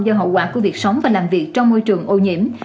do hậu quả của việc sống và làm việc trong môi trường ô nhiễm